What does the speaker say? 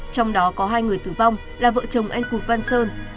trong đó có hai người tử vong là vợ chồng anh cụt văn sơn